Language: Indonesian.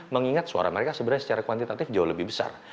mengingat suara mereka sebenarnya secara kuantitatif jauh lebih besar